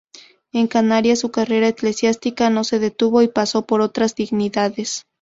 En Canarias, su carrera eclesiástica no se detuvo y pasó por otras dignidades.